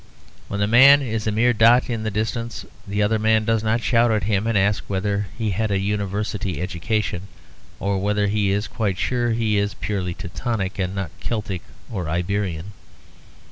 When the man is a mere dot in the distance, the other man does not shout at him and ask whether he had a university education, or whether he is quite sure he is purely Teutonic and not Celtic or Iberian.